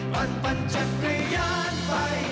ปันปันจะกระยานไป